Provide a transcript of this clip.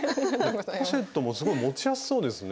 ポシェットもすごい持ちやすそうですね。